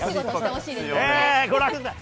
ご覧ください。